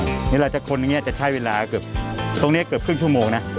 เดี๋ยวเราจะคนอย่างนี้จะใช้เวลาเกือบตรงนี้เกือบครึ่งชั่วโมงนะ